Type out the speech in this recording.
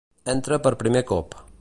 Entra per primer cop.